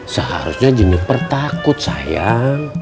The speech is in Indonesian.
seharusnya jeniper takut sayang